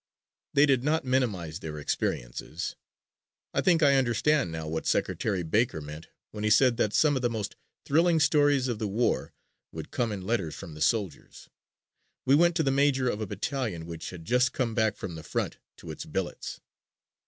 They did not minimize their experiences. I think I understand now what Secretary Baker meant when he said that some of the most thrilling stories of the war would come in letters from the soldiers. We went to the major of a battalion which had just come back from the front to its billets.